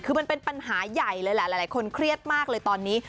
คือมันเป็นปัญหาใหญ่เลยหลายคนเครียดมากเลยตอนนี้